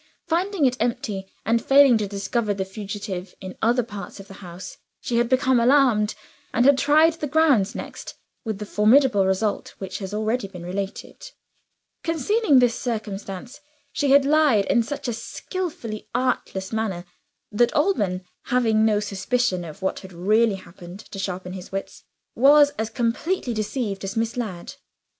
Finding it empty, and failing to discover the fugitive in other parts of the house, she had become alarmed, and had tried the grounds next with the formidable result which has been already related. Concealing this circumstance, she had lied in such a skillfully artless manner that Alban (having no suspicion of what had really happened to sharpen his wits) was as completely deceived as Miss Ladd.